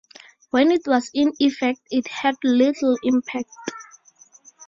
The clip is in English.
When it was in effect it had little impact.